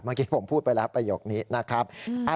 เมื่อกี้ผมพูดไปแล้วประโยคนี้นะครับ